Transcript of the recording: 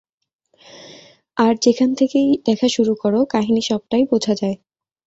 আর যেখান থেকেই দেখা শুরু করো, কাহিনী সবটাই বোঝা যায়।